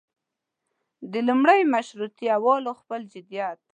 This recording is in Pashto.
د لومړي مشروطیه والو خپل جديت.